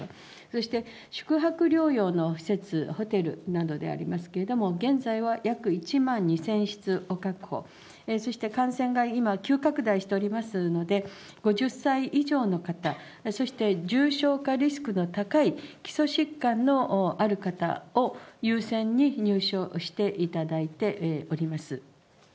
そして、宿泊療養の施設、ホテルなどでありますけれども、現在は約１万２０００室を確保、そして感染が今、急拡大しておりますので、５０歳以上の方、そして重症化リスクの高い基礎疾患のある方を、優先に入所していただいております。